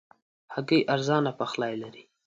هګۍ ارزانه پخلی لري.